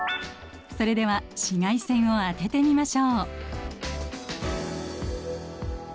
それでは紫外線を当ててみましょう。